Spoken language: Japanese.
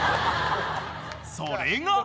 ［それが］